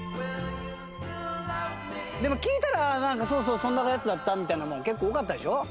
でも聞いたら「そうそうそんなやつだった」みたいなのも結構多かったでしょ？